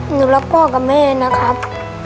หนูอยากบอกพ่อกับเมนะครับ